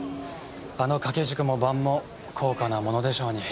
あの掛け軸も盤も高価な物でしょうに。